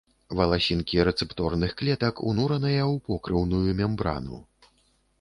Валасінкі рэцэпторных клетак унураныя ў покрыўную мембрану.